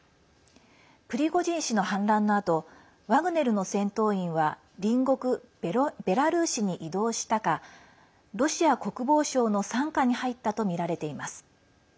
プリゴジン氏の反乱のあとワグネルの戦闘員は隣国ベラルーシに移動したかロシア国防省の傘下に入ったとみられています。